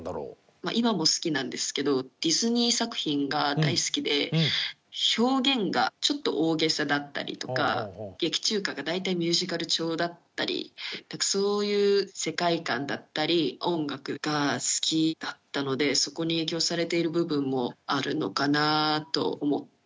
今も好きなんですけどディズニー作品が大好きで表現がちょっと大げさだったりとか劇中歌が大体ミュージカル調だったりしてそういう世界観だったり音楽が好きだったのでそこに影響されている部分もあるのかなと思ってはいます。